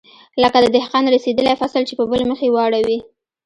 لکه د دهقان رسېدلى فصل چې په بل مخ يې واړوې.